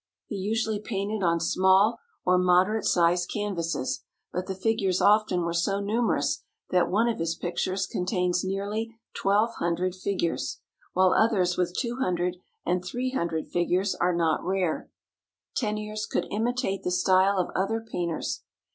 He usually painted on small or moderate sized canvases, but the figures often were so numerous that one of his pictures contains nearly twelve hundred figures, while others with two hundred and three hundred figures are not rare. Teniers could imitate the style of other painters.